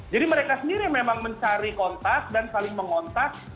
jadi mereka sendiri memang mencari kontak dan saling mengontak